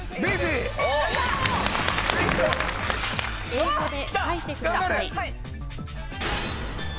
［英語で書いてください］きた！